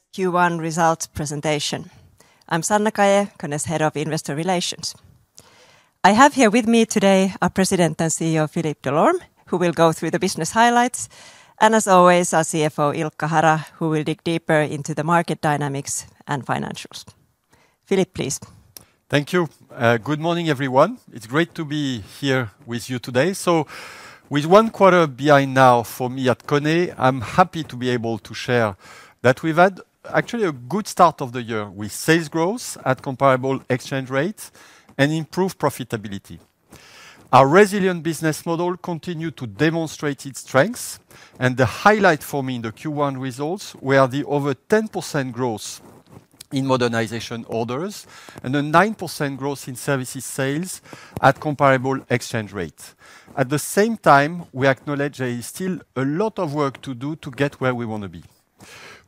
Good morning, welcome to KONE's Q1 Results Presentation. I'm Sanna Kaje, KONE's Head of Investor Relations. I have here with me today our President and CEO Philippe Delorme, who will go through the business highlights, and as always our CFO Ilkka Hara, who will dig deeper into the market dynamics and financials. Philippe, please. Thank you. Good morning, everyone. It's great to be here with you today. So with one quarter behind now for me at KONE, I'm happy to be able to share that we've had actually a good start of the year with sales growth at comparable exchange rates and improved profitability. Our resilient business model continued to demonstrate its strengths, and the highlight for me in the Q1 results were the over 10% growth in modernization orders and a 9% growth in services sales at comparable exchange rates. At the same time, we acknowledge there is still a lot of work to do to get where we want to be.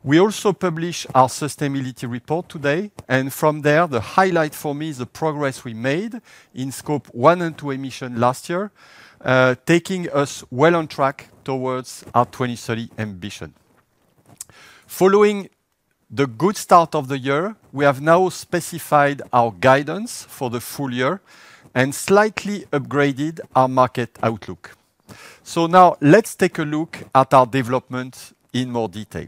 We also published our sustainability report today, and from there, the highlight for me is the progress we made in Scope 1 and 2 emissions last year, taking us well on track towards our 2030 ambition. Following the good start of the year, we have now specified our guidance for the full year and slightly upgraded our market outlook. So now let's take a look at our developments in more detail.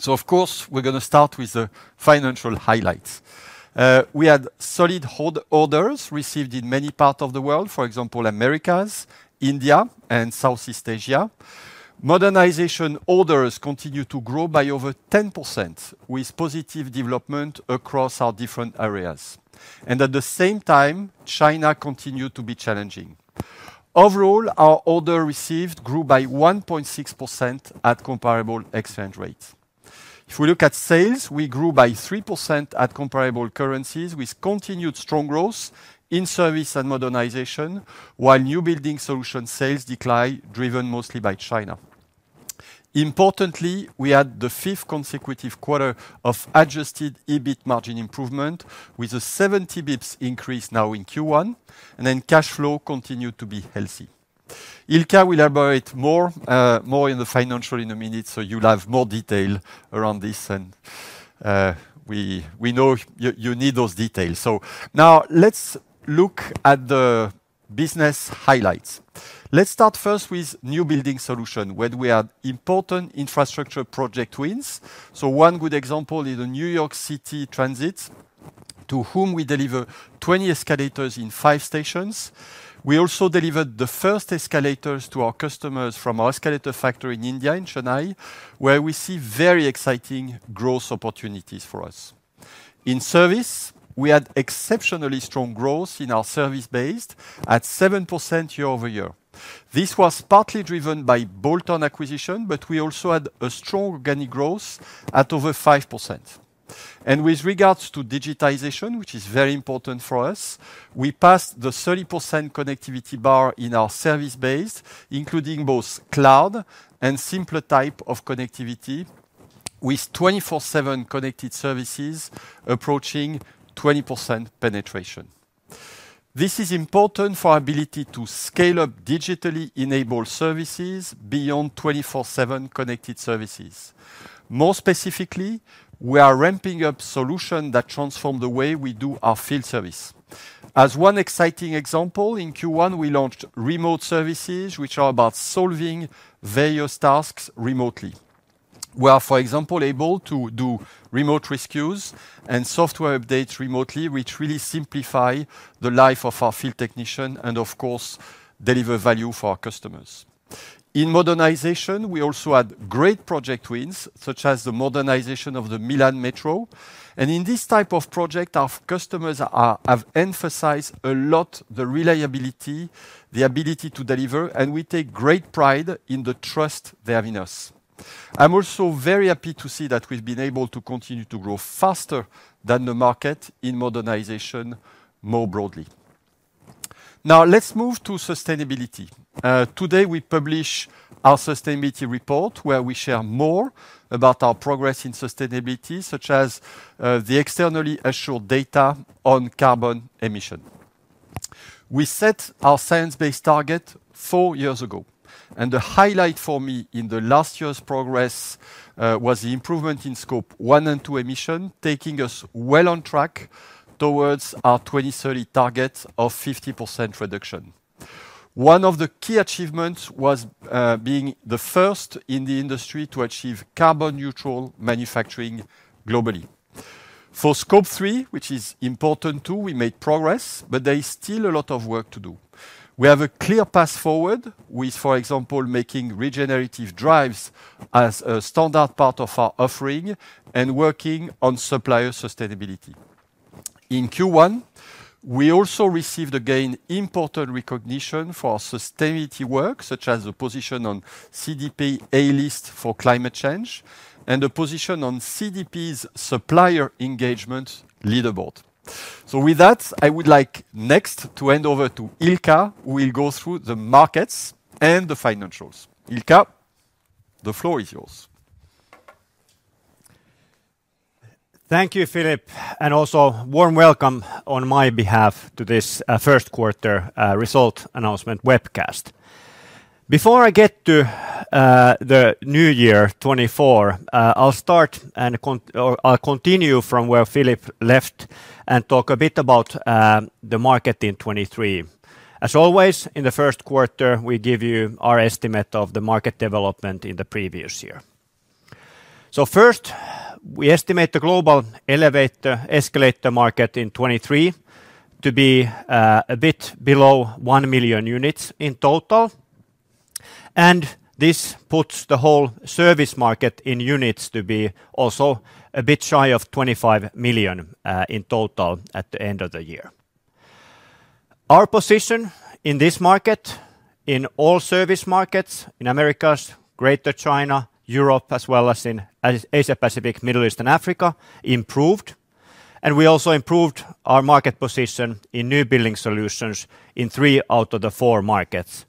So of course, we're going to start with the financial highlights. We had solid hold orders received in many parts of the world, for example, Americas, India, and Southeast Asia. Modernization orders continued to grow by over 10% with positive development across our different areas. And at the same time, China continued to be challenging. Overall, our orders received grew by 1.6% at comparable exchange rates. If we look at sales, we grew by 3% at comparable currencies with continued strong growth in Service and Modernization, while New Building Solutions sales declined driven mostly by China. Importantly, we had the fifth consecutive quarter of Adjusted EBIT margin improvement with a 70 basis points increase now in Q1, and then cash flow continued to be healthy. Ilkka will elaborate more in the financials in a minute, so you'll have more detail around this, and we know you need those details. So now let's look at the business highlights. Let's start first with New Building Solutions where we had important infrastructure project wins. So one good example is the New York City Transit, to whom we deliver 20 escalators in five stations. We also delivered the first escalators to our customers from our escalator factory in India, in Chennai, where we see very exciting growth opportunities for us. In service, we had exceptionally strong growth in our service base at 7% year-over-year. This was partly driven by bolt-on acquisition, but we also had a strong organic growth at over 5%. With regards to digitalization, which is very important for us, we passed the 30% connectivity bar in our service base, including both cloud and simpler type of connectivity, with 24/7 Connected Services approaching 20% penetration. This is important for our ability to scale up digitally enabled services beyond 24/7 Connected Services. More specifically, we are ramping up solutions that transform the way we do our field service. As one exciting example, in Q1, we launched remote services, which are about solving various tasks remotely. We are, for example, able to do remote rescues and software updates remotely, which really simplify the life of our field technician and, of course, deliver value for our customers. In modernization, we also had great project wins, such as the modernization of the Milan Metro. In this type of project, our customers have emphasized a lot the reliability, the ability to deliver, and we take great pride in the trust they have in us. I'm also very happy to see that we've been able to continue to grow faster than the market in modernization more broadly. Now, let's move to sustainability. Today, we publish our sustainability report where we share more about our progress in sustainability, such as the externally assured data on carbon emissions. We set our science-based target four years ago. The highlight for me in the last year's progress was the improvement in Scope 1 and 2 emissions, taking us well on track towards our 2030 target of 50% reduction. One of the key achievements was being the first in the industry to achieve carbon-neutral manufacturing globally. For Scope 3, which is important too, we made progress, but there is still a lot of work to do. We have a clear path forward with, for example, making regenerative drives as a standard part of our offering and working on supplier sustainability. In Q1, we also received again important recognition for our sustainability work, such as the position on CDP A List for climate change and the position on CDP's Supplier Engagement Leaderboard. So with that, I would like next to hand over to Ilkka, who will go through the markets and the financials. Ilkka, the floor is yours. Thank you, Philippe, and also warm welcome on my behalf to this first quarter result announcement webcast. Before I get to the new year, 2024, I'll start and I'll continue from where Philippe left and talk a bit about the market in 2023. As always, in the first quarter, we give you our estimate of the market development in the previous year. So first, we estimate the global escalator market in 2023 to be a bit below one million units in total. And this puts the whole Service market in units to be also a bit shy of 25 million in total at the end of the year. Our position in this market, in all Service markets in Americas, Greater China, Europe, as well as in Asia-Pacific, Middle East, and Africa, improved. And we also improved our market position in New Building Solutions in three out of the four markets.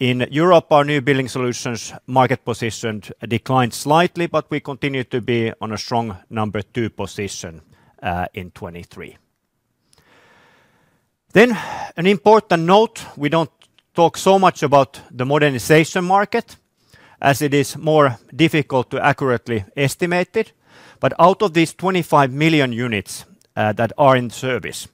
In Europe, our New Building Solutions market position declined slightly, but we continue to be on a strong number two position in 2023. Then an important note, we don't talk so much about the modernization market as it is more difficult to accurately estimate it. But out of these 25 million units that are in service,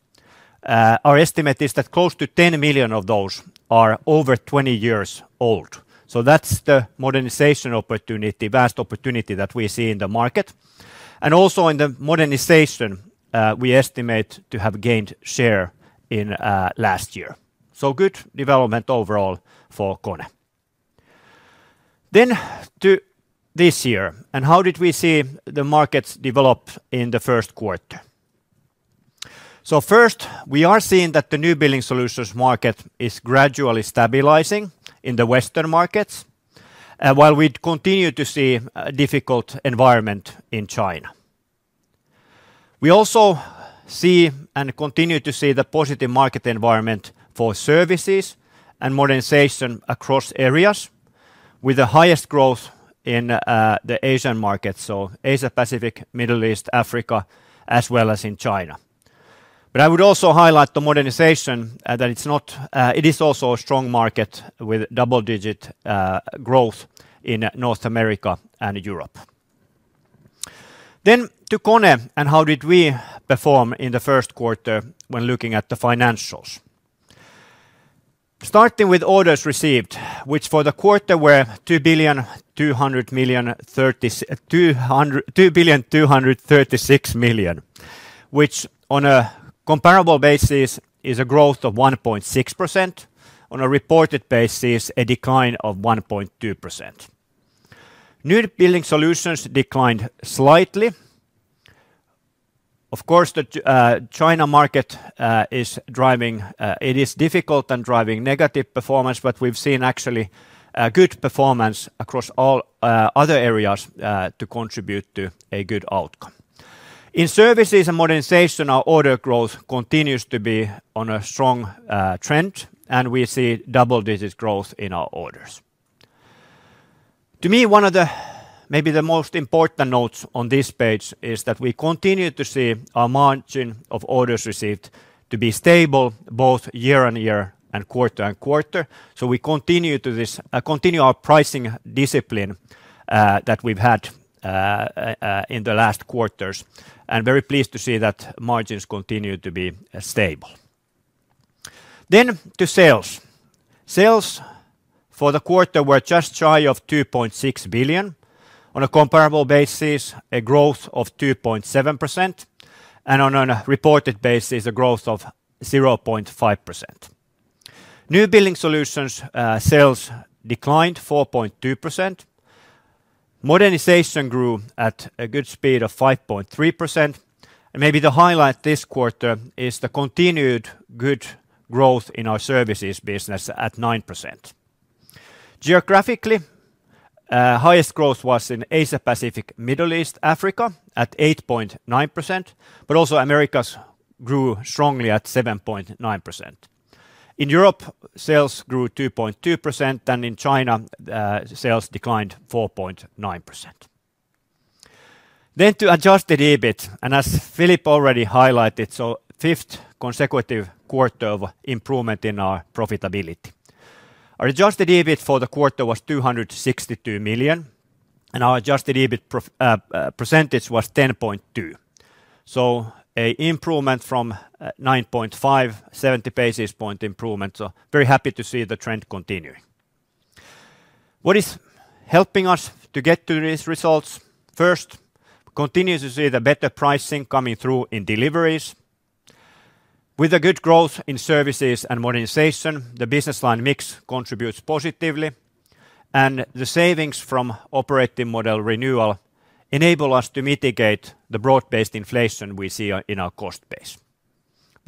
our estimate is that close to 10 million of those are over 20 years old. So that's the modernization opportunity, vast opportunity that we see in the market. And also in the modernization, we estimate to have gained share in last year. So good development overall for KONE. Then to this year, and how did we see the markets develop in the first quarter? So first, we are seeing that the New Building Solutions market is gradually stabilizing in the Western markets, while we continue to see a difficult environment in China. We also see and continue to see the positive market environment for services and modernization across areas with the highest growth in the Asian markets, so Asia-Pacific, Middle East, Africa, as well as in China. But I would also highlight the modernization that it is also a strong market with double-digit growth in North America and Europe. Then to KONE and how did we perform in the first quarter when looking at the financials? Starting with orders received, which for the quarter were 2,236 million, which on a comparable basis is a growth of 1.6%. On a reported basis, a decline of 1.2%. New Building Solutions declined slightly. Of course, the China market is driving it, it is difficult and driving negative performance, but we've seen actually good performance across all other areas to contribute to a good outcome. In services and modernization, our order growth continues to be on a strong trend, and we see double-digit growth in our orders. To me, one of the maybe the most important notes on this page is that we continue to see our margin of orders received to be stable both year-on-year and quarter-on-quarter. So we continue to continue our pricing discipline that we've had in the last quarters. And very pleased to see that margins continue to be stable. Then to sales. Sales for the quarter were just shy of 2.6 billion. On a comparable basis, a growth of 2.7%. And on a reported basis, a growth of 0.5%. New Building Solutions sales declined 4.2%. Modernization grew at a good speed of 5.3%. And maybe the highlight this quarter is the continued good growth in our services business at 9%. Geographically, highest growth was in Asia-Pacific, Middle East, Africa at 8.9%, but also Americas grew strongly at 7.9%. In Europe, sales grew 2.2%, and in China, sales declined 4.9%. To Adjusted EBIT, and as Philippe already highlighted, so fifth consecutive quarter of improvement in our profitability. Our Adjusted EBIT for the quarter was 262 million, and our Adjusted EBIT percentage was 10.2%. So an improvement from 9.5%, 70 basis point improvement. So very happy to see the trend continuing. What is helping us to get to these results? First, we continue to see the better pricing coming through in deliveries. With the good growth in services and modernization, the business line mix contributes positively. And the savings from operating model renewal enable us to mitigate the broad-based inflation we see in our cost base.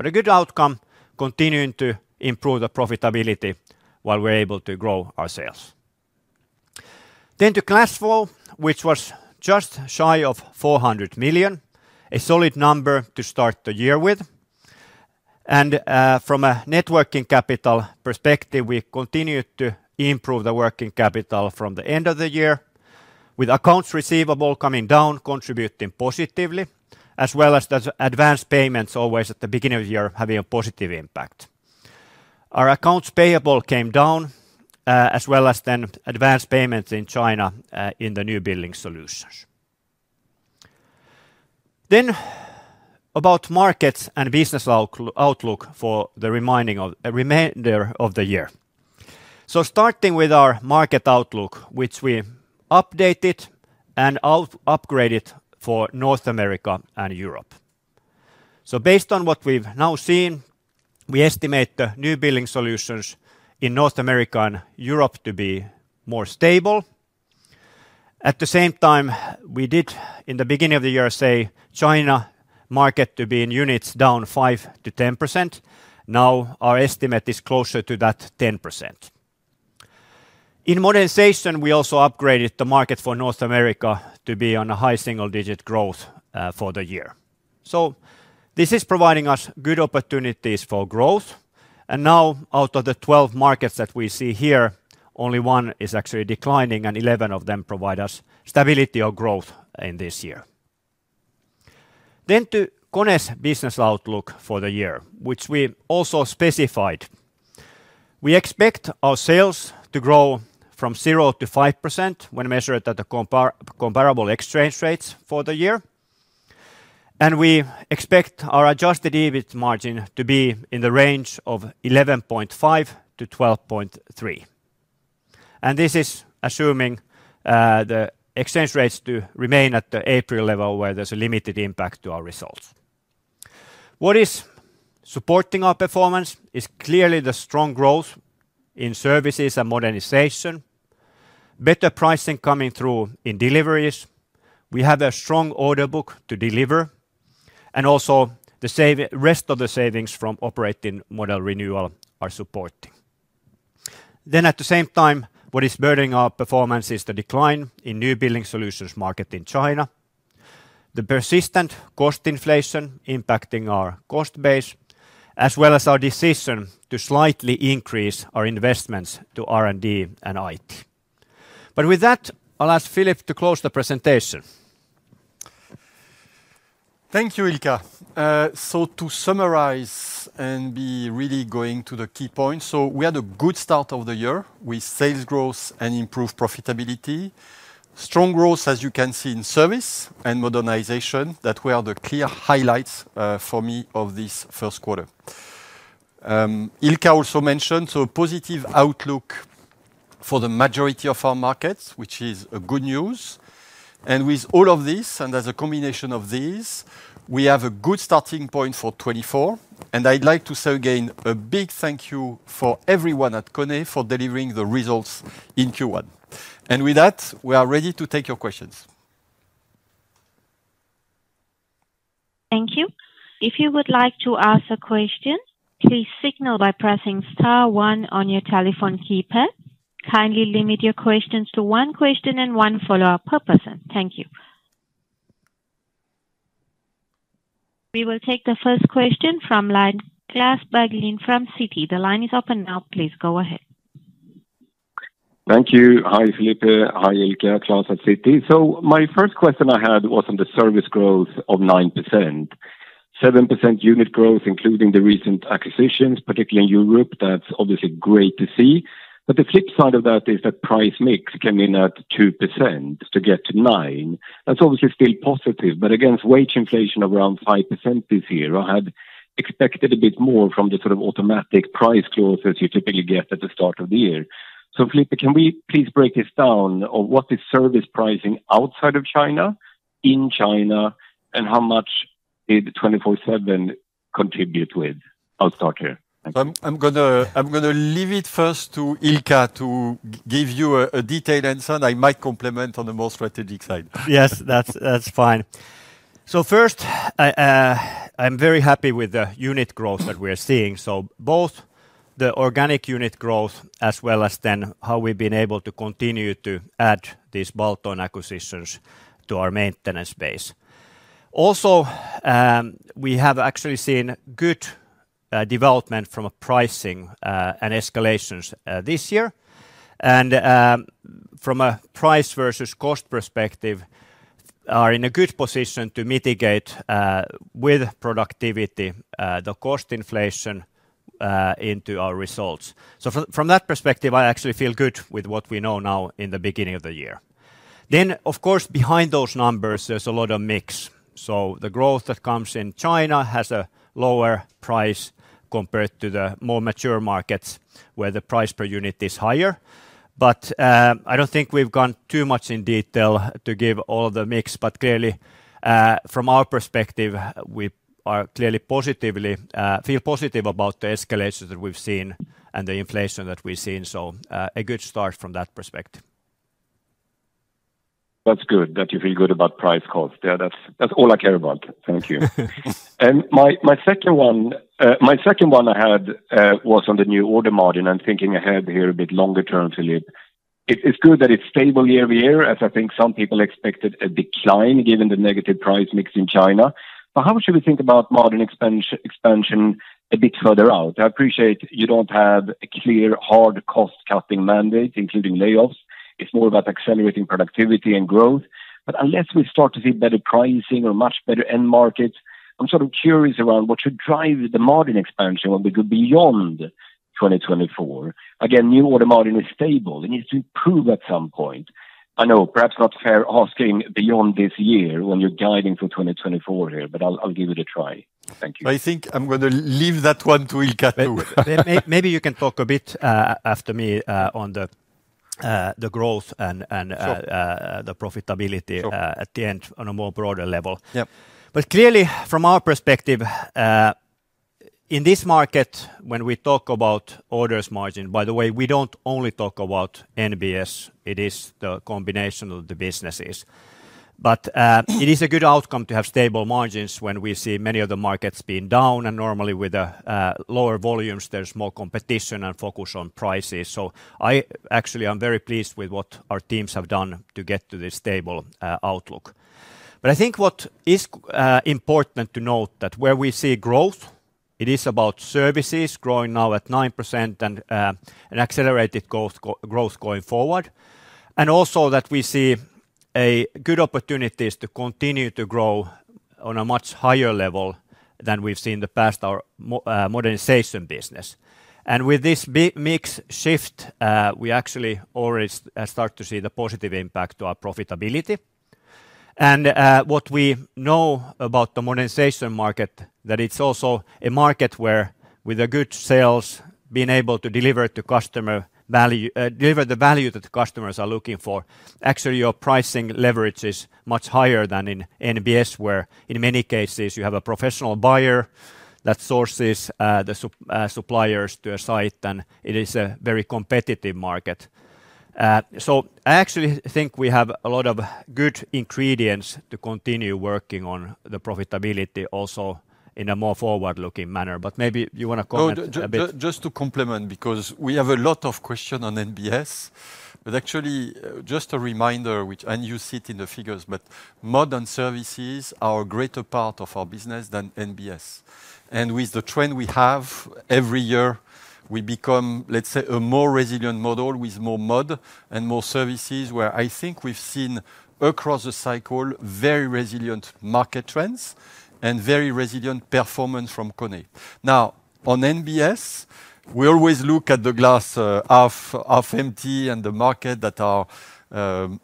A good outcome continuing to improve the profitability while we're able to grow our sales. To cash flow, which was just shy of 400 million, a solid number to start the year with. From a net working capital perspective, we continued to improve the working capital from the end of the year with accounts receivable coming down, contributing positively, as well as the advance payments always at the beginning of the year having a positive impact. Our accounts payable came down, as well as then advance payments in China in the New Building Solutions. About markets and business outlook for the remainder of the year. Starting with our market outlook, which we updated and upgraded for North America and Europe. Based on what we've now seen, we estimate the New Building Solutions in North America and Europe to be more stable. At the same time, we did in the beginning of the year say China market to be in units down 5%-10%. Now our estimate is closer to that 10%. In modernization, we also upgraded the market for North America to be on a high single-digit growth for the year. So this is providing us good opportunities for growth. Now out of the 12 markets that we see here, only one is actually declining, and 11 of them provide us stability or growth in this year. Then to KONE's business outlook for the year, which we also specified. We expect our sales to grow zero to 5% when measured at the comparable exchange rates for the year. And we expect our Adjusted EBIT margin to be in the range of 11.5%-12.3%. This is assuming the exchange rates to remain at the April level where there's a limited impact to our results. What is supporting our performance is clearly the strong growth in services and modernization, better pricing coming through in deliveries. We have a strong order book to deliver. Also the rest of the savings from operating model renewal are supporting. At the same time, what is burdening our performance is the decline in New Building Solutions market in China, the persistent cost inflation impacting our cost base, as well as our decision to slightly increase our investments to R&D and IT. With that, I'll ask Philippe to close the presentation. Thank you, Ilkka. So to summarize and be really going to the key points, so we had a good start of the year with sales growth and improved profitability, strong growth, as you can see, in service and modernization that were the clear highlights for me of this first quarter. Ilkka also mentioned, so a positive outlook for the majority of our markets, which is good news. With all of this and as a combination of these, we have a good starting point for 2024. I'd like to say again a big thank you for everyone at KONE for delivering the results in Q1. With that, we are ready to take your questions. Thank you. If you would like to ask a question, please signal by pressing star one on your telephone keypad. Kindly limit your questions to one question and one follow-up per person. Thank you. We will take the first question from line Klas Bergelind from Citi. The line is open now. Please go ahead. Thank you. Hi, Philippe. Hi, Ilkka. Klas at Citi. So my first question I had was on the service growth of 9%. 7% unit growth, including the recent acquisitions, particularly in Europe, that's obviously great to see. But the flip side of that is that price mix came in at 2% to get to 9%. That's obviously still positive. But against wage inflation of around 5% this year, I had expected a bit more from the sort of automatic price clauses you typically get at the start of the year. So Philippe, can we please break this down of what is service pricing outside of China, in China, and how much did 24/7 contribute with? I'll start here. Thank you. I'm going to leave it first to Ilkka to give you a detailed answer, and I might comment on the more strategic side. Yes, that's fine. So first, I'm very happy with the unit growth that we are seeing. So both the organic unit growth as well as then how we've been able to continue to add these bolt-on acquisitions to our maintenance base. Also, we have actually seen good development from pricing and escalations this year. And from a price versus cost perspective, we are in a good position to mitigate with productivity the cost inflation into our results. So from that perspective, I actually feel good with what we know now in the beginning of the year. Then, of course, behind those numbers, there's a lot of mix. So the growth that comes in China has a lower price compared to the more mature markets where the price per unit is higher. But I don't think we've gone too much in detail to give all of the mix. Clearly, from our perspective, we clearly feel positive about the escalators that we've seen and the inflation that we've seen. A good start from that perspective. That's good that you feel good about price costs. That's all I care about. Thank you. And my second one I had was on the new order margin and thinking ahead here a bit longer term, Philippe. It's good that it's stable year-over-year, as I think some people expected a decline given the negative price mix in China. But how should we think about margin expansion a bit further out? I appreciate you don't have a clear hard cost-cutting mandate, including layoffs. It's more about accelerating productivity and growth. But unless we start to see better pricing or much better end markets, I'm sort of curious around what should drive the margin expansion when we go beyond 2024. Again, new order margin is stable. It needs to improve at some point. I know perhaps not fair asking beyond this year when you're guiding for 2024 here, but I'll give it a try. Thank you. I think I'm going to leave that one to Ilkka too. Maybe you can talk a bit after me on the growth and the profitability at the end on a more broader level. But clearly, from our perspective, in this market, when we talk about orders margin, by the way, we don't only talk about NBS. It is the combination of the businesses. But it is a good outcome to have stable margins when we see many of the markets being down. And normally, with lower volumes, there's more competition and focus on prices. So I actually am very pleased with what our teams have done to get to this stable outlook. But I think what is important to note is that where we see growth, it is about services growing now at 9% and accelerated growth going forward. And also, that we see good opportunities to continue to grow on a much higher level than we've seen in the past, our modernization business. And with this mix shift, we actually already start to see the positive impact to our profitability. And what we know about the modernization market is that it's also a market where, with good sales, being able to deliver the value that customers are looking for, actually your pricing leverage is much higher than in NBS, where in many cases, you have a professional buyer that sources the suppliers to a site. And it is a very competitive market. So I actually think we have a lot of good ingredients to continue working on the profitability also in a more forward-looking manner. But maybe you want to comment a bit. Just to complement, because we have a lot of questions on NBS. Actually, just a reminder, and you see it in the figures, but modern services are a greater part of our business than NBS. With the trend we have every year, we become, let's say, a more resilient model with more mods and more services where I think we've seen across the cycle very resilient market trends and very resilient performance from KONE. Now, on NBS, we always look at the glass half empty and the market that are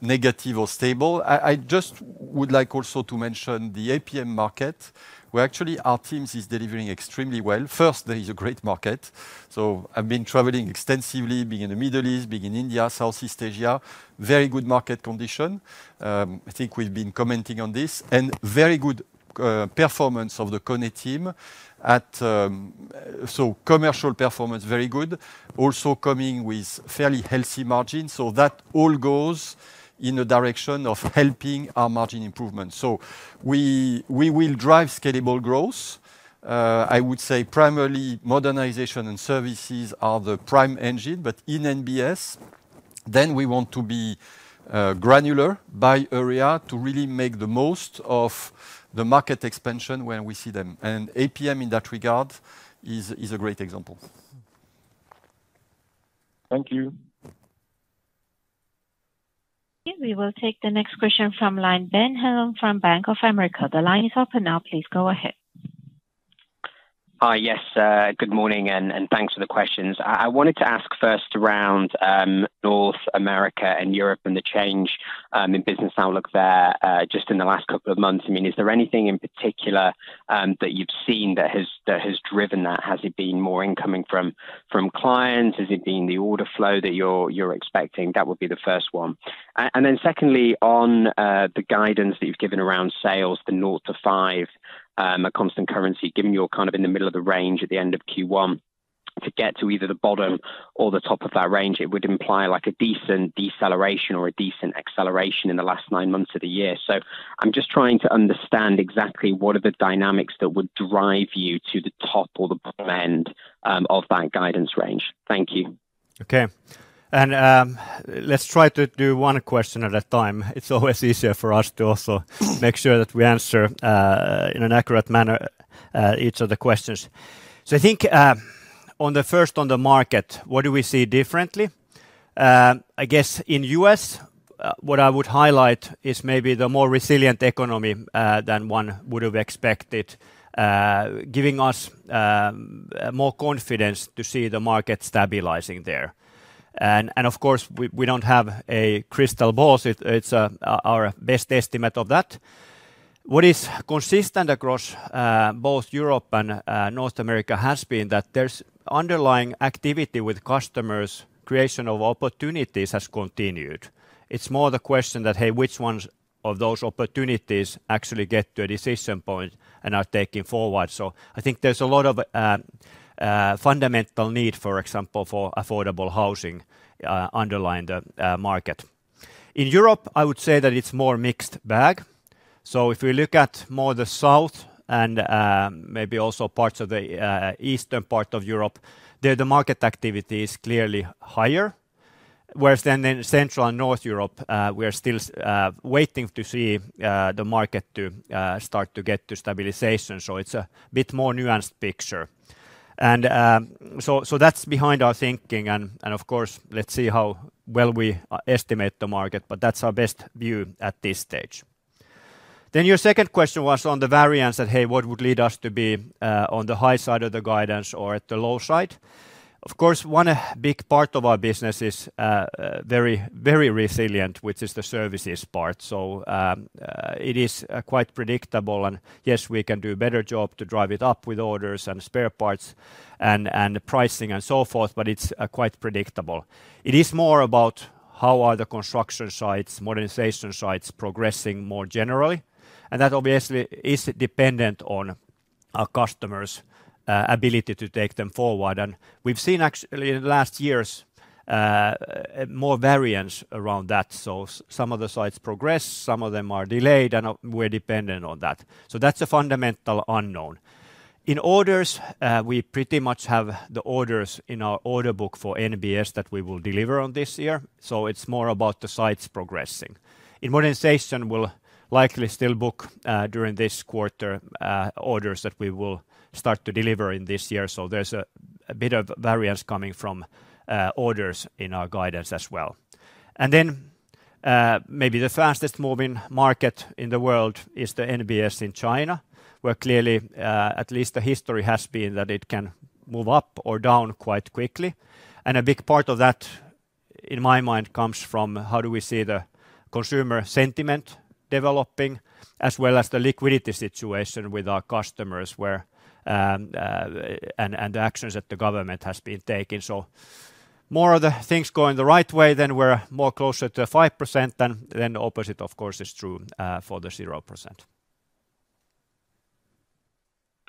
negative or stable. I just would like also to mention the APM market where actually our team is delivering extremely well. First, there is a great market. So I've been traveling extensively, being in the Middle East, being in India, Southeast Asia. Very good market condition. I think we've been commenting on this. Very good performance of the KONE team. Commercial performance very good. Also coming with fairly healthy margins. That all goes in a direction of helping our margin improvement. We will drive scalable growth. I would say primarily modernization and services are the prime engine. But in NBS, then we want to be granular by area to really make the most of the market expansion when we see them. APM in that regard is a great example. Thank you. We will take the next question from line Ben Heelan from Bank of America. The line is open now. Please go ahead. Yes. Good morning and thanks for the questions. I wanted to ask first around North America and Europe and the change in business outlook there just in the last couple of months. I mean, is there anything in particular that you've seen that has driven that? Has it been more incoming from clients? Has it been the order flow that you're expecting? That would be the first one. And then secondly, on the guidance that you've given around sales, the zero to five, a constant currency, given you're kind of in the middle of the range at the end of Q1, to get to either the bottom or the top of that range, it would imply a decent deceleration or a decent acceleration in the last nine months of the year. So I'm just trying to understand exactly what are the dynamics that would drive you to the top or the bottom end of that guidance range? Thank you. Okay. And let's try to do one question at a time. It's always easier for us to also make sure that we answer in an accurate manner each of the questions. So I think first, on the market, what do we see differently? I guess in the U.S., what I would highlight is maybe the more resilient economy than one would have expected, giving us more confidence to see the market stabilizing there. And of course, we don't have a crystal ball. It's our best estimate of that. What is consistent across both Europe and North America has been that there's underlying activity with customers, creation of opportunities has continued. It's more the question that, hey, which ones of those opportunities actually get to a decision point and are taken forward? So I think there's a lot of fundamental need, for example, for affordable housing underlying the market. In Europe, I would say that it's a more mixed bag. So if we look at more the south and maybe also parts of the eastern part of Europe, there the market activity is clearly higher. Whereas then in central and North Europe, we are still waiting to see the market start to get to stabilization. So it's a bit more nuanced picture. And so that's behind our thinking. And of course, let's see how well we estimate the market. But that's our best view at this stage. Then your second question was on the variance that, hey, what would lead us to be on the high side of the guidance or at the low side? Of course, one big part of our business is very resilient, which is the services part. So it is quite predictable. Yes, we can do a better job to drive it up with orders and spare parts and pricing and so forth. But it's quite predictable. It is more about how are the construction sites, modernization sites progressing more generally? And that obviously is dependent on our customers' ability to take them forward. And we've seen actually in the last years more variance around that. So some of the sites progress, some of them are delayed, and we're dependent on that. So that's a fundamental unknown. In orders, we pretty much have the orders in our order book for NBS that we will deliver on this year. So it's more about the sites progressing. In modernization, we'll likely still book during this quarter orders that we will start to deliver in this year. So there's a bit of variance coming from orders in our guidance as well. Then maybe the fastest moving market in the world is the NBS in China, where clearly at least the history has been that it can move up or down quite quickly. And a big part of that, in my mind, comes from how do we see the consumer sentiment developing as well as the liquidity situation with our customers and the actions that the government has been taking. So more of the things going the right way, then we're more closer to 5%. And then the opposite, of course, is true for the zero percent.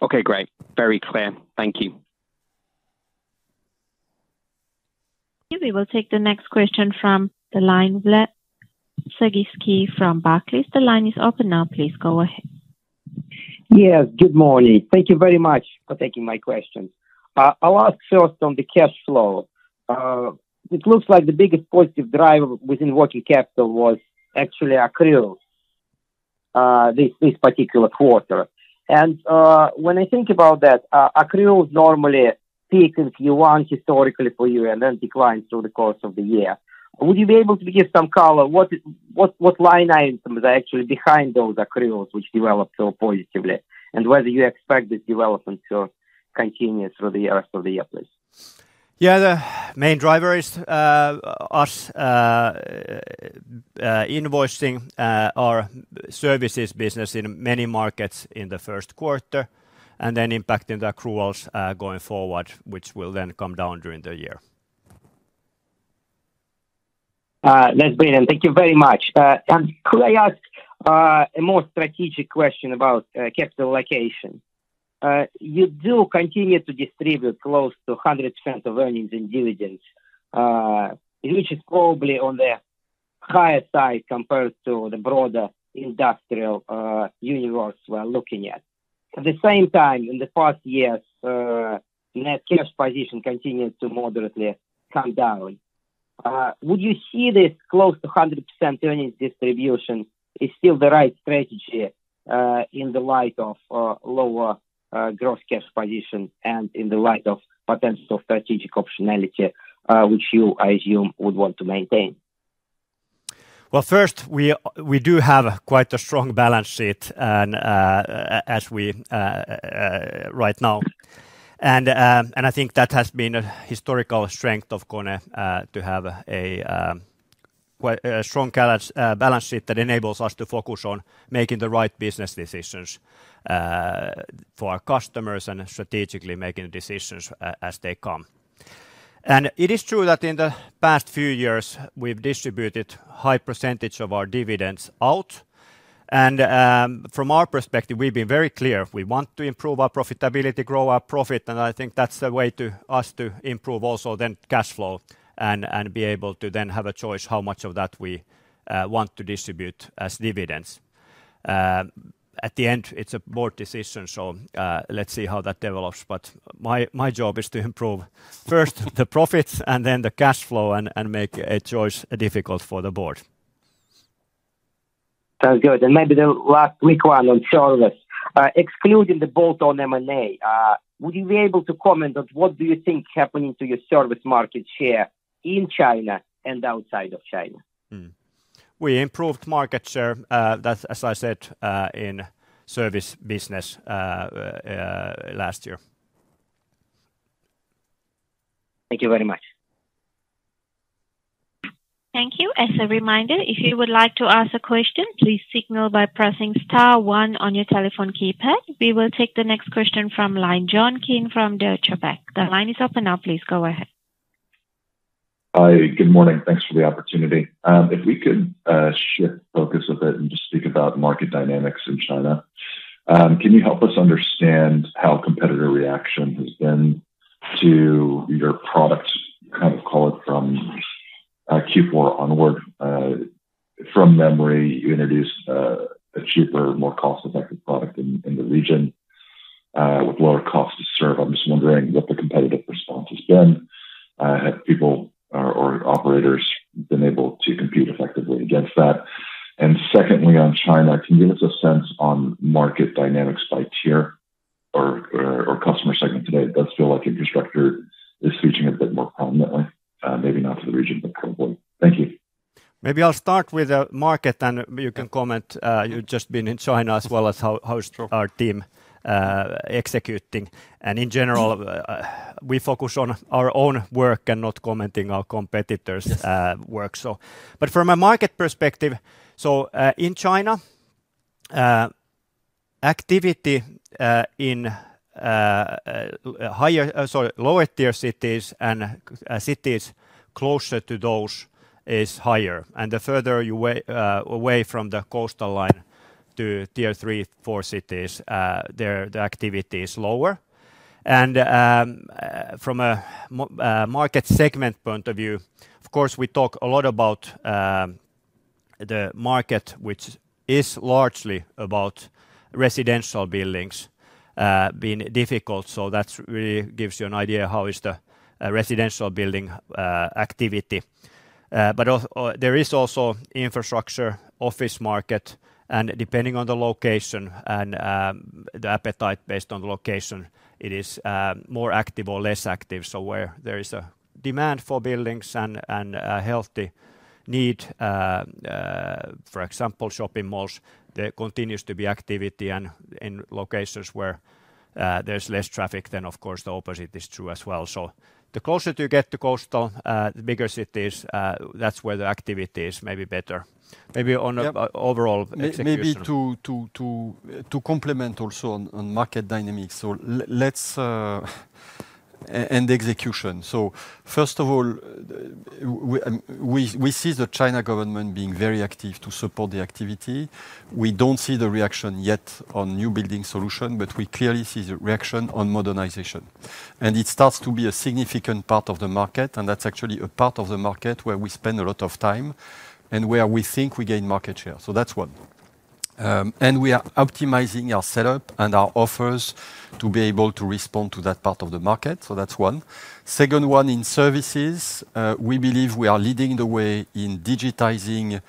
Okay. Great. Very clear. Thank you. We will take the next question from the line. Sergievskiy from Barclays. The line is open now. Please go ahead. Yes. Good morning. Thank you very much for taking my questions. I'll ask first on the cash flow. It looks like the biggest positive driver within working capital was actually accrual this particular quarter. When I think about that, accrual is normally peaking Q1 historically for you and then declines through the course of the year. Would you be able to give some color what line items are actually behind those accruals which developed so positively and whether you expect this development to continue through the rest of the year, please? Yeah. The main drivers are invoicing our services business in many markets in the first quarter and then impacting the accruals going forward, which will then come down during the year. That's brilliant. Thank you very much. And could I ask a more strategic question about capital allocation? You do continue to distribute close to 100% of earnings in dividends, which is probably on the higher side compared to the broader industrial universe we are looking at. At the same time, in the past years, net cash position continued to moderately come down. Would you see this close to 100% earnings distribution as still the right strategy in the light of lower gross cash position and in the light of potential strategic optionality, which you assume would want to maintain? Well, first, we do have quite a strong balance sheet right now. I think that has been a historical strength of KONE to have a strong balance sheet that enables us to focus on making the right business decisions for our customers and strategically making decisions as they come. It is true that in the past few years, we've distributed a high percentage of our dividends out. From our perspective, we've been very clear. We want to improve our profitability, grow our profit. I think that's a way for us to improve also then cash flow and be able to then have a choice how much of that we want to distribute as dividends. At the end, it's a board decision. Let's see how that develops. My job is to improve first the profits and then the cash flow and make a choice difficult for the board. Sounds good. And maybe the last quick one on service. Excluding the bolt-on M&A, would you be able to comment on what do you think is happening to your service market share in China and outside of China? We improved market share, as I said, in service business last year. Thank you very much. Thank you. As a reminder, if you would like to ask a question, please signal by pressing star one on your telephone keypad. We will take the next question from line John Kim from Deutsche Bank. The line is open now. Please go ahead. Hi. Good morning. Thanks for the opportunity. If we could shift focus a bit and just speak about market dynamics in China, can you help us understand how competitor reaction has been to your product, kind of call it from Q4 onward? From memory, you introduced a cheaper, more cost-effective product in the region with lower cost to serve. I'm just wondering what the competitive response has been. Have people or operators been able to compete effectively against that? And secondly, on China, can you give us a sense on market dynamics by tier or customer segment today? It does feel like infrastructure is featuring a bit more prominently, maybe not for the region, but probably. Thank you. Maybe I'll start with the market, and you can comment. You've just been in China as well as how is our team executing. In general, we focus on our own work and not commenting on our competitors' work. But from a market perspective, so in China, activity in lower-tier cities and cities closer to those is higher. The further you're away from the coastal line to tier three, four cities, the activity is lower. From a market segment point of view, of course, we talk a lot about the market, which is largely about residential buildings being difficult. So that really gives you an idea of how is the residential building activity. But there is also infrastructure, office market. Depending on the location and the appetite based on the location, it is more active or less active. So where there is a demand for buildings and a healthy need, for example, shopping malls, there continues to be activity. And in locations where there's less traffic, then, of course, the opposite is true as well. So the closer you get to coastal, the bigger cities, that's where the activity is maybe better, maybe on an overall execution. Maybe to complement also on market dynamics. So let's end the execution. So first of all, we see the Chinese government being very active to support the activity. We don't see the reaction yet on New Building Solutions, but we clearly see the reaction on modernization. And it starts to be a significant part of the market. And that's actually a part of the market where we spend a lot of time and where we think we gain market share. So that's one. We are optimizing our setup and our offers to be able to respond to that part of the market. That's one. Second one, in services, we believe we are leading the way in digitizing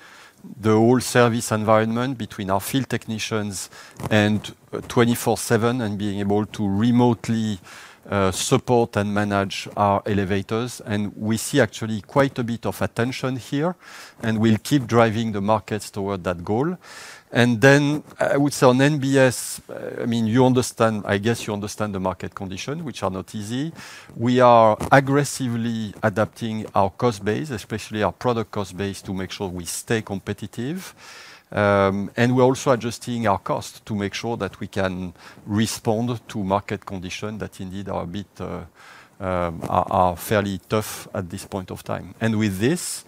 the whole service environment between our field technicians and 24/7 and being able to remotely support and manage our elevators. We see actually quite a bit of attention here. We'll keep driving the markets toward that goal. Then I would say on NBS, I mean, I guess you understand the market conditions, which are not easy. We are aggressively adapting our cost base, especially our product cost base, to make sure we stay competitive. We're also adjusting our cost to make sure that we can respond to market conditions that indeed are fairly tough at this point of time. With this,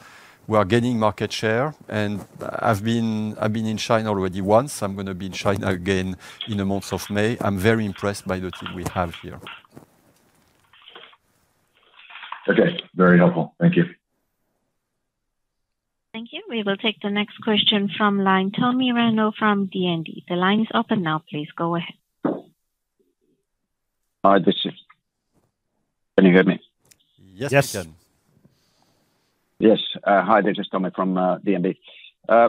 we are gaining market share. I've been in China already once. I'm going to be in China again in the months of May. I'm very impressed by the team we have here. Okay. Very helpful. Thank you. Thank you. We will take the next question from line Tomi Railo from DNB. The line is open now. Please go ahead. Hi. Can you hear me? Yes, Tomi. Yes. Hi. This is Tomi from DNB.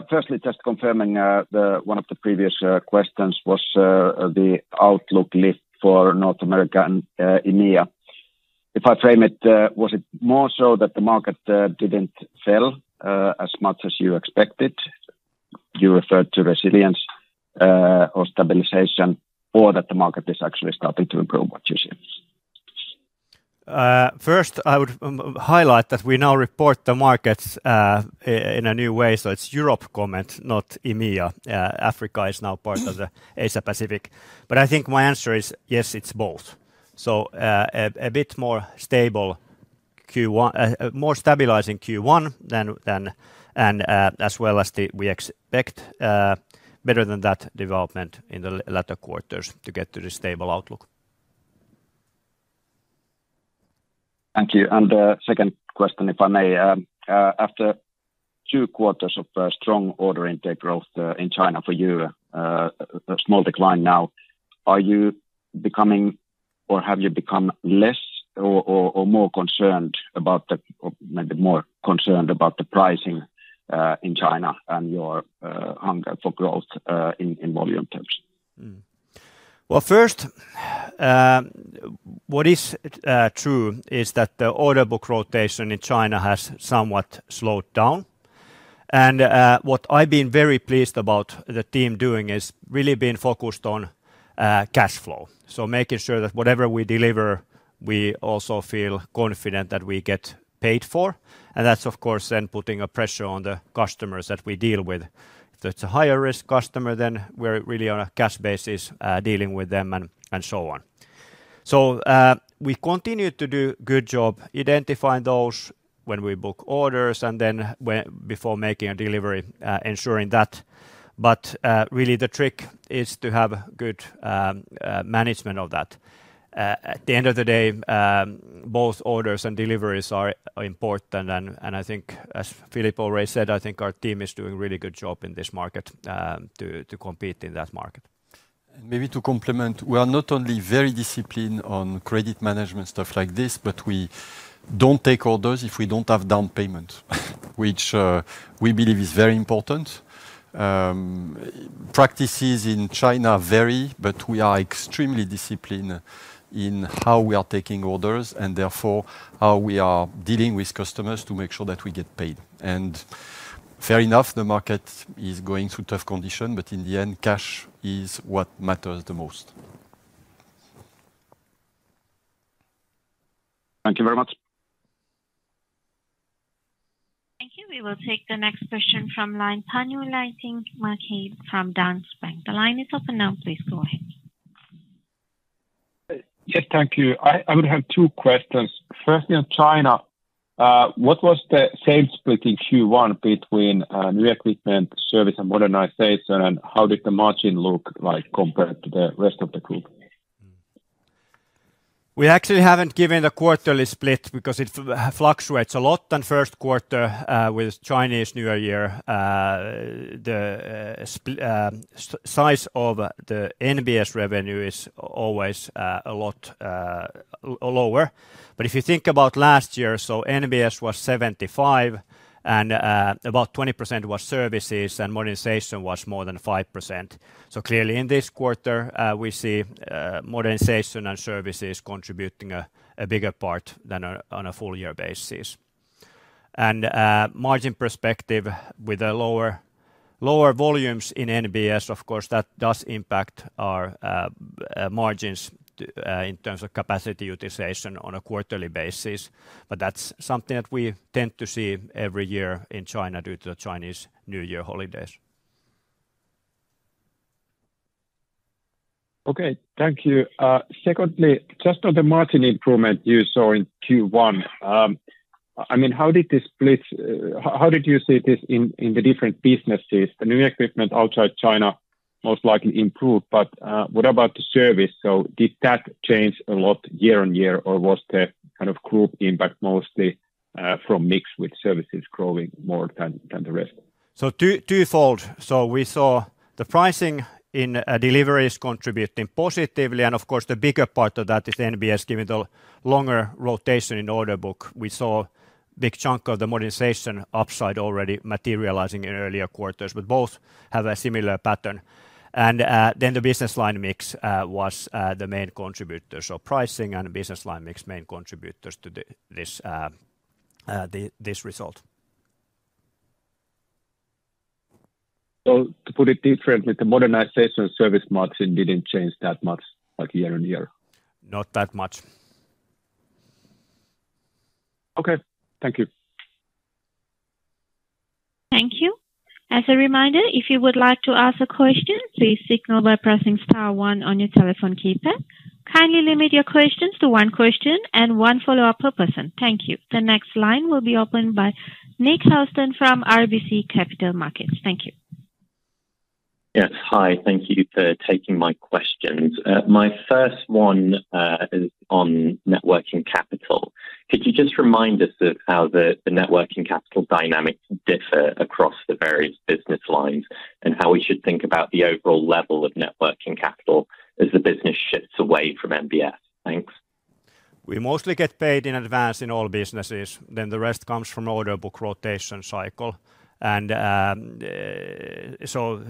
Firstly, just confirming one of the previous questions was the outlook lift for North America and EMEA. If I frame it, was it more so that the market didn't fell as much as you expected? You referred to resilience or stabilization or that the market is actually starting to improve, what you see? First, I would highlight that we now report the markets in a new way. So it's Europe comment, not EMEA. Africa is now part of the Asia-Pacific. But I think my answer is, yes, it's both. So a bit more stable, more stabilizing Q1 as well as we expect better than that development in the latter quarters to get to the stable outlook. Thank you. Second question, if I may. After two quarters of strong order intake growth in China for you, small decline now, are you becoming or have you become less or more concerned about the maybe more concerned about the pricing in China and your hunger for growth in volume terms? Well, first, what is true is that the order book rotation in China has somewhat slowed down. What I've been very pleased about the team doing is really being focused on cash flow, so making sure that whatever we deliver, we also feel confident that we get paid for. That's, of course, then putting a pressure on the customers that we deal with. If it's a higher-risk customer, then we're really on a cash basis dealing with them and so on. We continue to do a good job identifying those when we book orders and then before making a delivery, ensuring that. Really, the trick is to have good management of that. At the end of the day, both orders and deliveries are important. And I think, as Philippe already said, I think our team is doing a really good job in this market to compete in that market. And maybe to complement, we are not only very disciplined on credit management stuff like this, but we don't take orders if we don't have down payment, which we believe is very important. Practices in China vary, but we are extremely disciplined in how we are taking orders and therefore how we are dealing with customers to make sure that we get paid. And fair enough, the market is going through tough conditions. But in the end, cash is what matters the most. Thank you very much. Thank you. We will take the next question from the line of Panu Laitinmäki from Danske Bank. The line is open now. Please go ahead. Yes. Thank you. I would have two questions. Firstly, on China, what was the sales split in Q1 between new equipment, service, and modernization, and how did the margin look like compared to the rest of the group? We actually haven't given a quarterly split because it fluctuates a lot. First quarter with Chinese New Year, the size of the NBS revenue is always a lot lower. But if you think about last year, so NBS was 75, and about 20% was services, and modernization was more than 5%. So clearly, in this quarter, we see modernization and services contributing a bigger part than on a full-year basis. And margin perspective, with the lower volumes in NBS, of course, that does impact our margins in terms of capacity utilization on a quarterly basis. But that's something that we tend to see every year in China due to the Chinese New Year holidays. Okay. Thank you. Secondly, just on the margin improvement you saw in Q1, I mean, how did you see this in the different businesses? The new equipment outside China most likely improved, but what about the service? So did that change a lot year-on-year, or was the kind of group impact mostly from mix with services growing more than the rest? So twofold. So we saw the pricing in deliveries contributing positively. And of course, the bigger part of that is NBS giving a longer rotation in order book. We saw a big chunk of the modernization upside already materializing in earlier quarters. But both have a similar pattern. And then the business line mix was the main contributor. So pricing and business line mix main contributors to this result. To put it differently, the modernization service margin didn't change that much year-over-year? Not that much. Okay. Thank you. Thank you. As a reminder, if you would like to ask a question, please signal by pressing star one on your telephone keypad. Kindly limit your questions to one question and one follow-up per person. Thank you. The next line will be opened by Nick Housden from RBC Capital Markets. Thank you. Yes. Hi. Thank you for taking my questions. My first one is on net working capital. Could you just remind us of how the net working capital dynamics differ across the various business lines and how we should think about the overall level of net working capital as the business shifts away from NBS? Thanks. We mostly get paid in advance in all businesses. Then the rest comes from order book rotation cycle. And so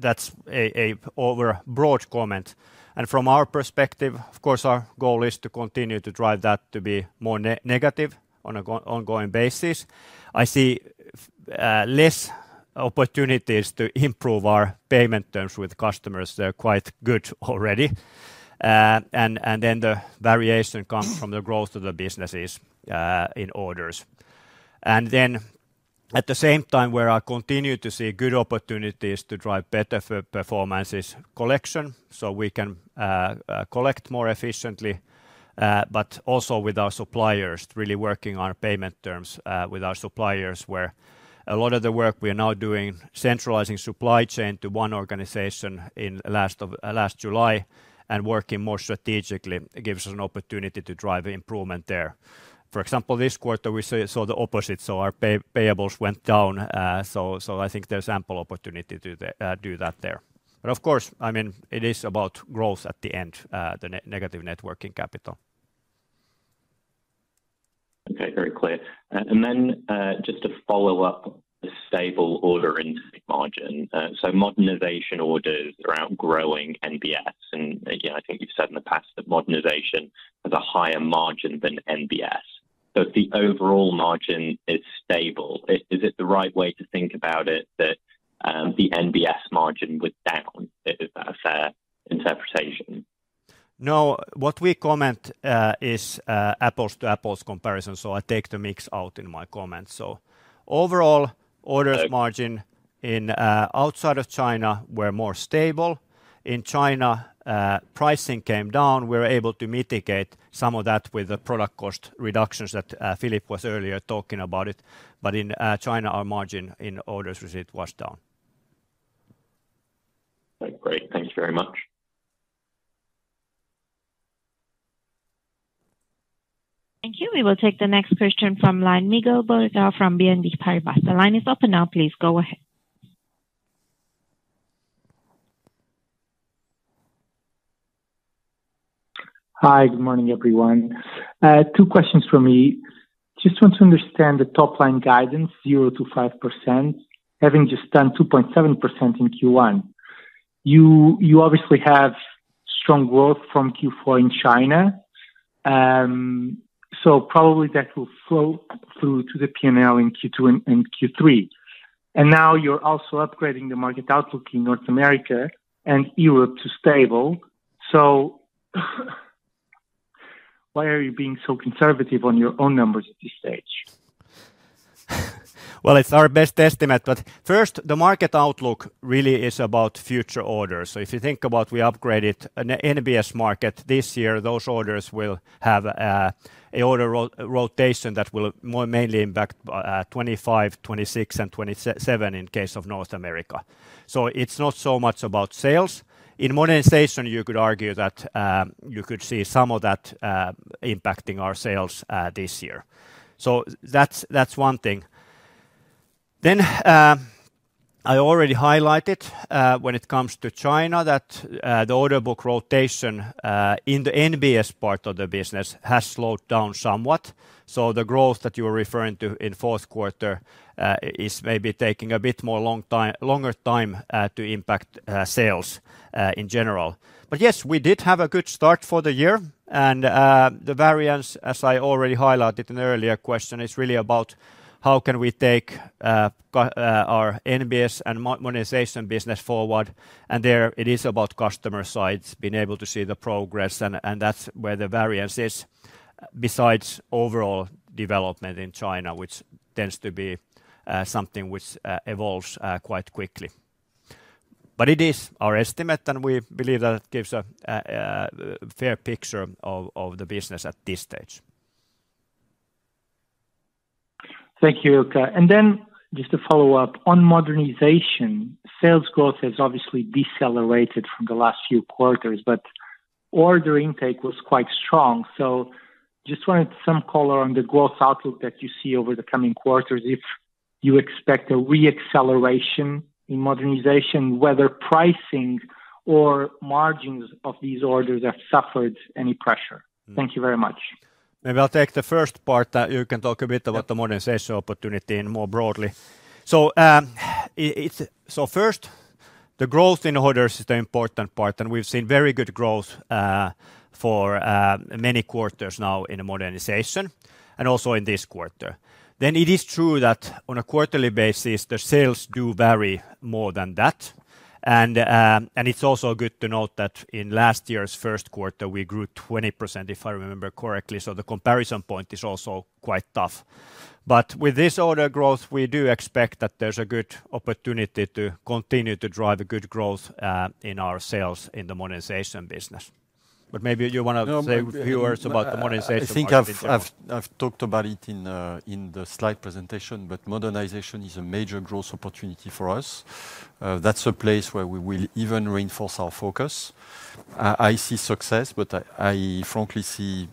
that's an overbroad comment. And from our perspective, of course, our goal is to continue to drive that to be more negative on an ongoing basis. I see less opportunities to improve our payment terms with customers. They're quite good already. And then the variation comes from the growth of the businesses in orders. And then at the same time, where I continue to see good opportunities to drive better performance is collection, so we can collect more efficiently but also with our suppliers, really working on payment terms with our suppliers where a lot of the work we are now doing, centralizing supply chain to one organization in last July and working more strategically, gives us an opportunity to drive improvement there. For example, this quarter, we saw the opposite. So our payables went down. So I think there's ample opportunity to do that there. But of course, I mean, it is about growth at the end, the negative net working capital. Okay. Very clear. And then just to follow up. A stable order intake margin. So modernization orders are outgrowing NBS. And again, I think you've said in the past that modernization has a higher margin than NBS. So if the overall margin is stable, is it the right way to think about it, that the NBS margin would down? Is that a fair interpretation? No. What we comment is apples to apples comparison. I take the mix out in my comments. Overall, order margin outside of China were more stable. In China, pricing came down. We were able to mitigate some of that with the product cost reductions that Philippe was earlier talking about. But in China, our margin in orders receipt was down. Okay. Great. Thank you very much. Thank you. We will take the next question from line Miguel Borrega from BNP Paribas. Line is open now. Please go ahead. Hi. Good morning, everyone. Two questions for me. Just want to understand the top-line guidance, zero to 5%, having just done 2.7% in Q1. You obviously have strong growth from Q4 in China. So probably that will flow through to the P&L in Q2 and Q3. And now you're also upgrading the market outlook in North America and Europe to stable. So why are you being so conservative on your own numbers at this stage? Well, it's our best estimate. But first, the market outlook really is about future orders. So if you think about we upgraded the NBS market this year, those orders will have an order rotation that will mainly impact 2025, 2026, and 2027 in case of North America. So it's not so much about sales. In modernization, you could argue that you could see some of that impacting our sales this year. So that's one thing. Then I already highlighted when it comes to China that the order book rotation in the NBS part of the business has slowed down somewhat. So the growth that you were referring to in fourth quarter is maybe taking a bit longer time to impact sales in general. But yes, we did have a good start for the year. The variance, as I already highlighted in an earlier question, is really about how can we take our NBS and modernization business forward. There, it is about customer sites, being able to see the progress. That's where the variance is besides overall development in China, which tends to be something which evolves quite quickly. It is our estimate, and we believe that it gives a fair picture of the business at this stage. Thank you, Ilkka. Then just to follow up, on modernization, sales growth has obviously decelerated from the last few quarters, but order intake was quite strong. Just wanted some color on the growth outlook that you see over the coming quarters, if you expect a re-acceleration in modernization, whether pricing or margins of these orders have suffered any pressure. Thank you very much. Maybe I'll take the first part that you can talk a bit about the modernization opportunity more broadly. So first, the growth in orders is the important part. And we've seen very good growth for many quarters now in modernization and also in this quarter. Then it is true that on a quarterly basis, the sales do vary more than that. And it's also good to note that in last year's first quarter, we grew 20%, if I remember correctly. So the comparison point is also quite tough. But with this order growth, we do expect that there's a good opportunity to continue to drive a good growth in our sales in the modernization business. But maybe you want to say a few words about the modernization part. I think I've talked about it in the slide presentation, but modernization is a major growth opportunity for us. That's a place where we will even reinforce our focus. I see success, but I frankly see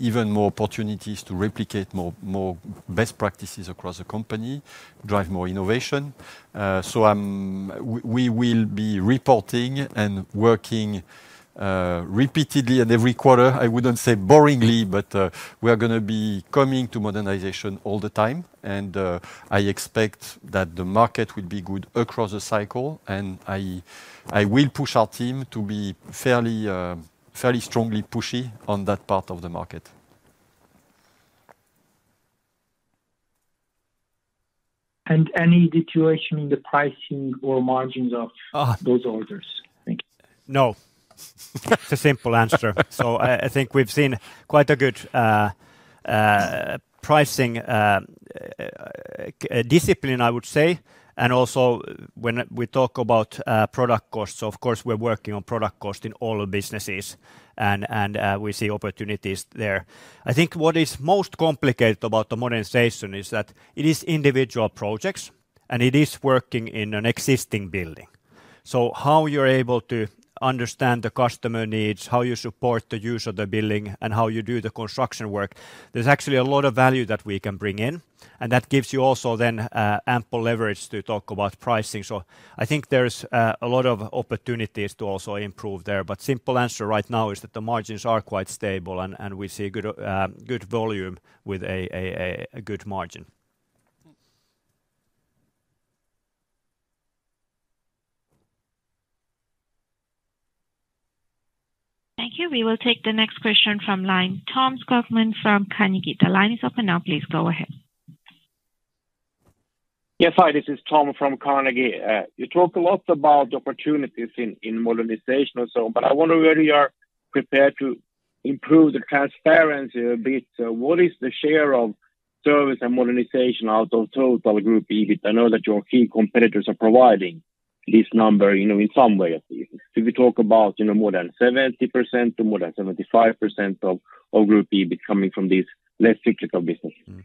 even more opportunities to replicate more best practices across the company, drive more innovation. So we will be reporting and working repeatedly on every quarter. I wouldn't say boringly, but we are going to be coming to modernization all the time. And I expect that the market will be good across the cycle. And I will push our team to be fairly strongly pushy on that part of the market. Any deterioration in the pricing or margins of those orders? Thank you. No. It's a simple answer. So I think we've seen quite a good pricing discipline, I would say. And also when we talk about product costs, of course, we're working on product cost in all businesses, and we see opportunities there. I think what is most complicated about the modernization is that it is individual projects, and it is working in an existing building. So how you're able to understand the customer needs, how you support the use of the building, and how you do the construction work, there's actually a lot of value that we can bring in. And that gives you also then ample leverage to talk about pricing. So I think there's a lot of opportunities to also improve there. But simple answer right now is that the margins are quite stable, and we see good volume with a good margin. Thank you. We will take the next question from line Tom Skogman from Carnegie. The line is open now. Please go ahead. Yes. Hi. This is Tom from Carnegie. You talk a lot about opportunities in modernization or so, but I wonder whether you are prepared to improve the transparency a bit. What is the share of service and modernization out of total group EBIT? I know that your key competitors are providing this number in some way at least. Do we talk about more than 70% to more than 75% of group EBIT coming from these less cyclical businesses?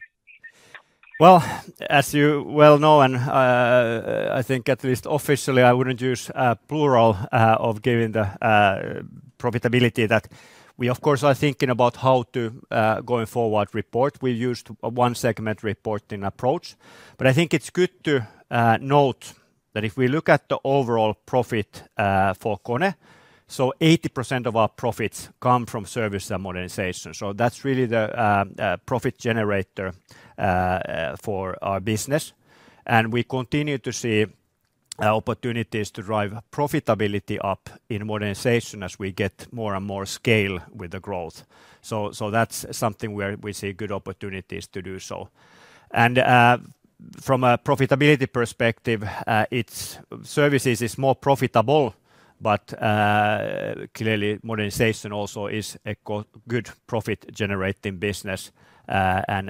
Well, as you well know, and I think at least officially, I wouldn't use a plural of giving the profitability that we, of course, are thinking about how to going forward report. We used one-segment reporting approach. But I think it's good to note that if we look at the overall profit for KONE, so 80% of our profits come from service and modernization. So that's really the profit generator for our business. And we continue to see opportunities to drive profitability up in modernization as we get more and more scale with the growth. So that's something where we see good opportunities to do so. And from a profitability perspective, services is more profitable, but clearly, modernization also is a good profit-generating business. And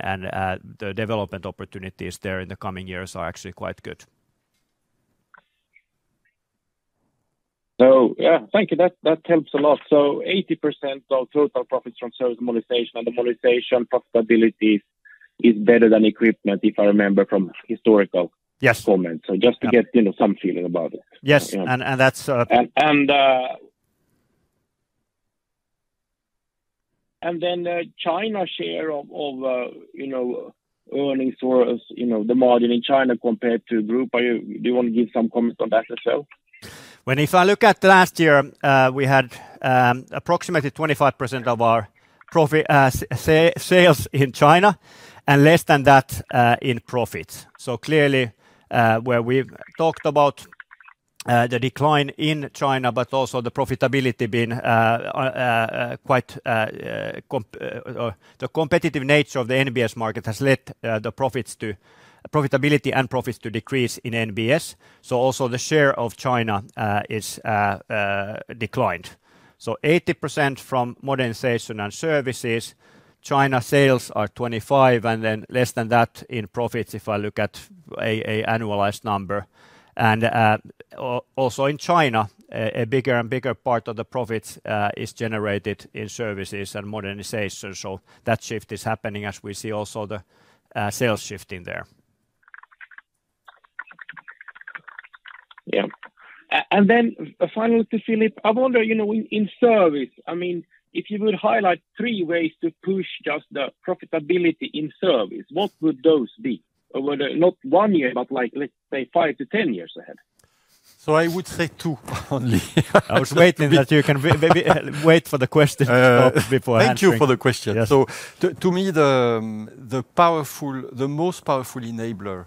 the development opportunities there in the coming years are actually quite good. So yeah. Thank you. That helps a lot. So 80% of total profits from service modernization and the modernization profitability is better than equipment, if I remember from historical comments. So just to get some feeling about it. Yes. And that's. And then China share of earnings or the margin in China compared to group, do you want to give some comments on that as well? Well, if I look at last year, we had approximately 25% of our sales in China and less than that in profits. So clearly, where we've talked about the decline in China, but also the profitability being quite the competitive nature of the NBS market has led the profits to profitability and profits to decrease in NBS. So also the share of China is declined. So 80% from modernization and services, China sales are 25% and then less than that in profits if I look at an annualized number. And also in China, a bigger and bigger part of the profits is generated in services and modernization. So that shift is happening as we see also the sales shifting there. Yeah. Then finally, Philippe, I wonder in service, I mean, if you would highlight three ways to push just the profitability in service, what would those be? Not one year, but let's say five to 10 years ahead. I would say two only. I was waiting that you can wait for the question before answering. Thank you for the question. So to me, the most powerful enabler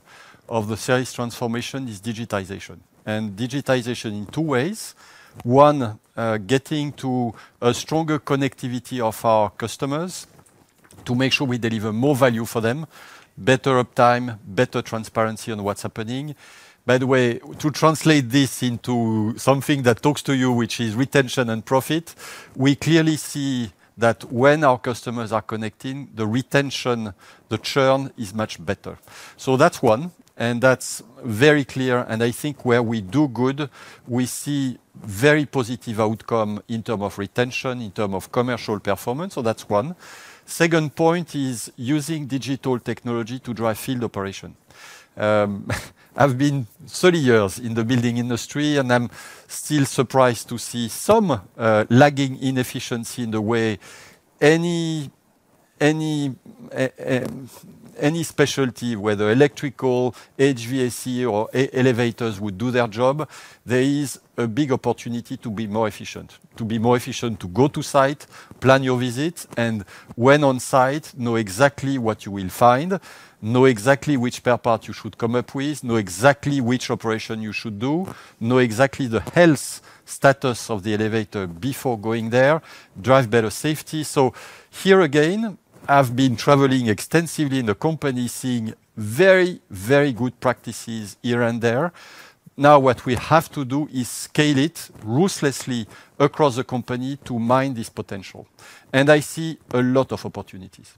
of the service transformation is digitalization. And digitalization in two ways. One, getting to a stronger connectivity of our customers to make sure we deliver more value for them, better uptime, better transparency on what's happening. By the way, to translate this into something that talks to you, which is retention and profit, we clearly see that when our customers are connecting, the retention, the churn is much better. So that's one. And that's very clear. And I think where we do good, we see very positive outcome in terms of retention, in terms of commercial performance. So that's one. Second point is using digital technology to drive field operation. I've been 30 years in the building industry, and I'm still surprised to see some lagging inefficiency in the way any specialty, whether electrical, HVAC, or elevators would do their job. There is a big opportunity to be more efficient, to be more efficient, to go to site, plan your visit, and when on site, know exactly what you will find, know exactly which spare part you should come up with, know exactly which operation you should do, know exactly the health status of the elevator before going there, drive better safety. So here again, I've been traveling extensively in the company, seeing very, very good practices here and there. Now, what we have to do is scale it ruthlessly across the company to mine this potential. And I see a lot of opportunities.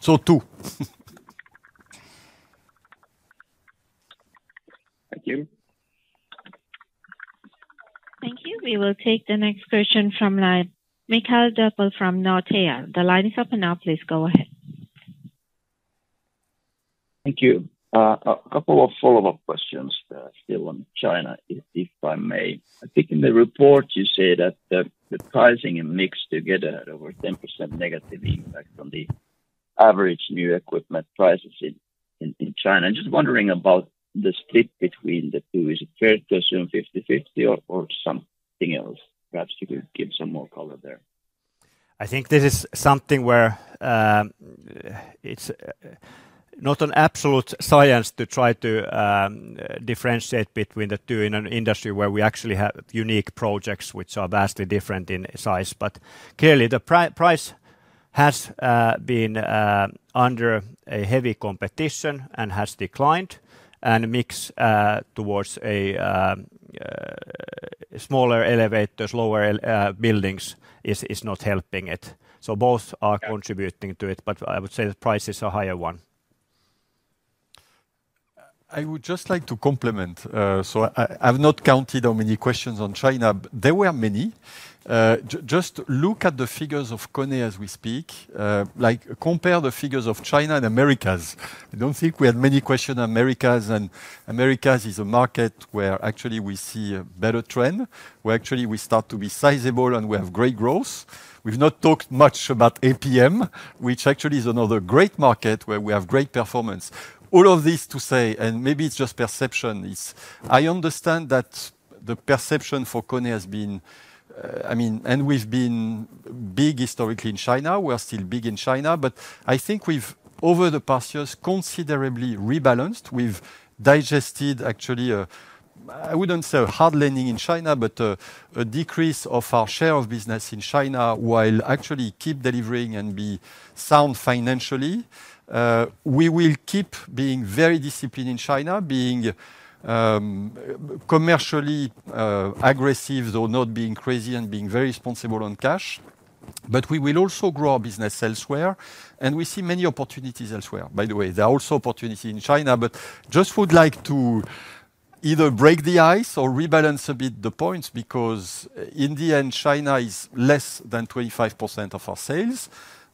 So two. Thank you. Thank you. We will take the next question from line Mikael Doepel from Nordea. The line is open now. Please go ahead. Thank you. A couple of follow-up questions still on China, if I may. I think in the report, you say that the pricing and mix together over 10% negative impact on the average new equipment prices in China. And just wondering about the split between the two. Is it fair to assume 50/50 or something else? Perhaps you could give some more color there. I think this is something where it's not an absolute science to try to differentiate between the two in an industry where we actually have unique projects which are vastly different in size. But clearly, the price has been under a heavy competition and has declined. And mix towards smaller elevators, lower buildings is not helping it. So both are contributing to it, but I would say the prices are higher one. I would just like to compliment. So I've not counted how many questions on China. There were many. Just look at the figures of KONE as we speak. Compare the figures of China and Americas. I don't think we had many questions on Americas. Americas is a market where actually we see a better trend, where actually we start to be sizable and we have great growth. We've not talked much about APM, which actually is another great market where we have great performance. All of this to say, and maybe it's just perception, is I understand that the perception for KONE has been, I mean, and we've been big historically in China. We're still big in China. But I think we've, over the past years, considerably rebalanced. We've digested actually a, I wouldn't say a hard landing in China, but a decrease of our share of business in China while actually keep delivering and be sound financially. We will keep being very disciplined in China, being commercially aggressive, though not being crazy and being very responsible on cash. But we will also grow our business elsewhere. And we see many opportunities elsewhere, by the way. There are also opportunities in China, but just would like to either break the ice or rebalance a bit the points because in the end, China is less than 25% of our sales.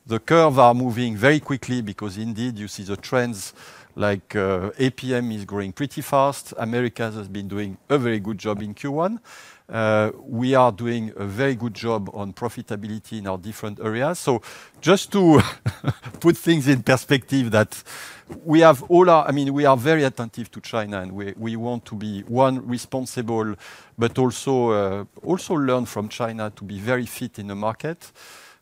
The curves are moving very quickly because indeed, you see the trends like APM is growing pretty fast. Americas has been doing a very good job in Q1. We are doing a very good job on profitability in our different areas. So just to put things in perspective, we have all our I mean, we are very attentive to China, and we want to be one, responsible, but also learn from China to be very fit in the market.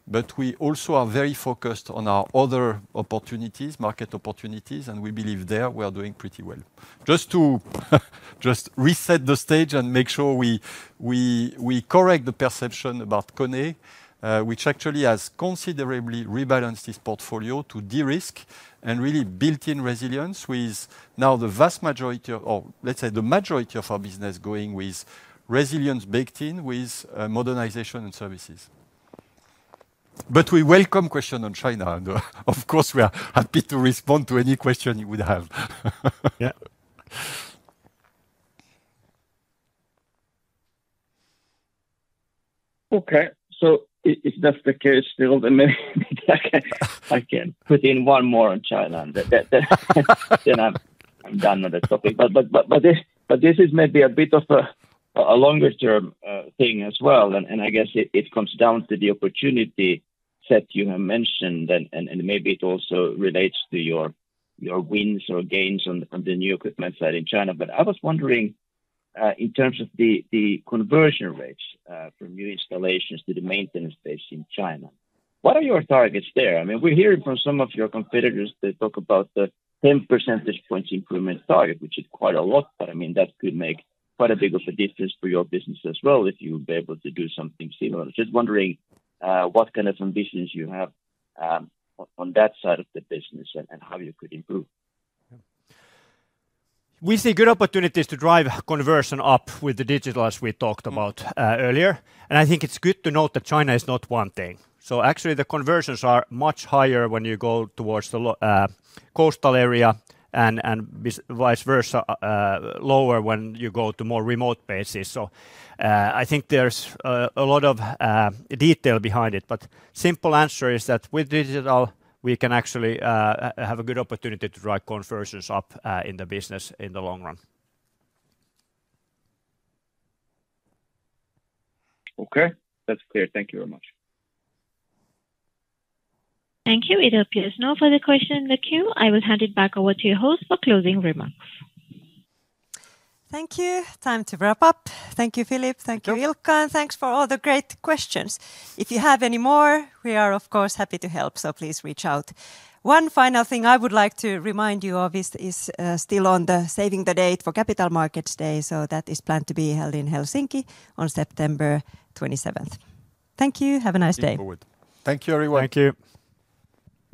But we also are very focused on our other opportunities, market opportunities, and we believe there we are doing pretty well. Just to reset the stage and make sure we correct the perception about KONE, which actually has considerably rebalanced this portfolio to de-risk and really built-in resilience with now the vast majority of or let's say the majority of our business going with resilience baked in with modernization and services. But we welcome question on China. And of course, we are happy to respond to any question you would have. Okay. So if that's the case still, then maybe I can put in one more on China. Then I'm done on the topic. But this is maybe a bit of a longer-term thing as well. And I guess it comes down to the opportunity set you have mentioned. And maybe it also relates to your wins or gains on the new equipment side in China. But I was wondering in terms of the conversion rates from new installations to the maintenance base in China, what are your targets there? I mean, we're hearing from some of your competitors, they talk about the 10 percentage points improvement target, which is quite a lot. But I mean, that could make quite a big of a difference for your business as well if you would be able to do something similar. Just wondering what kind of ambitions you have on that side of the business and how you could improve? We see good opportunities to drive conversion up with the digital as we talked about earlier. I think it's good to note that China is not one thing. Actually, the conversions are much higher when you go towards the coastal area and vice versa, lower when you go to more remote bases. I think there's a lot of detail behind it. Simple answer is that with digital, we can actually have a good opportunity to drive conversions up in the business in the long run. Okay. That's clear. Thank you very much. Thank you. It appears no further question in the queue. I will hand it back over to your host for closing remarks. Thank you. Time to wrap up. Thank you, Philippe. Thank you, Ilkka. Thanks for all the great questions. If you have any more, we are, of course, happy to help. Please reach out. One final thing I would like to remind you of is still on the save the date for Capital Markets Day. That is planned to be held in Helsinki on September 27th. Thank you. Have a nice day. Thank you. Thank you, everyone. Thank you.